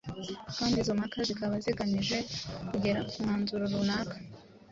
kandi izo mpaka zikaba zigamije kugera ku mwanzuro runaka.